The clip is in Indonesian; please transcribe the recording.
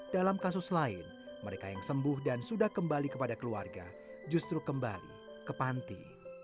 dalam kasus lain mereka yang sembuh dan sudah kembali kepada keluarga justru kembali ke panti